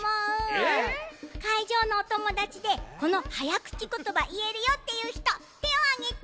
えっ！？かいじょうのおともだちでこのはやくちことばいえるよっていうひとてをあげて！